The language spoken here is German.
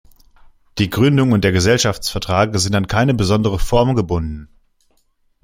Die Gründung und der Gesellschaftsvertrag sind an keine besondere Form gebunden.